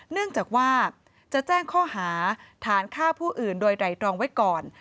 เนื่องจากว่าจะแจ้งข้อหาฐานฆ่าผู้อื่นโดยไตรตรองไว้ก่อน